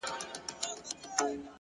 صبر د لوړو موخو تکیه ده’